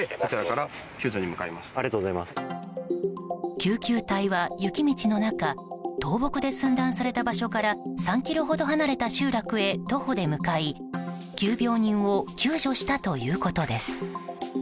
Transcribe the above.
救急隊は雪道の中倒木で寸断された場所から３ｋｍほど離れた集落へ徒歩で向かい急病人を救助したということです。